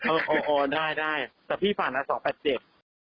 โอ้โหได้แต่พี่ฝาก๒๘๗